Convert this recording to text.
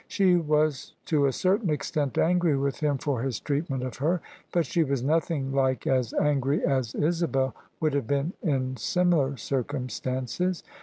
She was to a certain extent angry with him for his treatment of her: but she was nothing like as angry as Isabel would have been in similar circumstances.